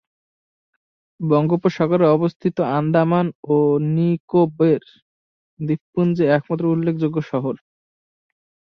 বঙ্গোপসাগরে অবস্থিত আন্দামান ও নিকোবর দ্বীপপুঞ্জের একমাত্র উল্লেখযোগ্য শহর।